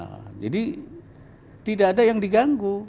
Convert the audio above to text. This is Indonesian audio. agama lain tidak disasar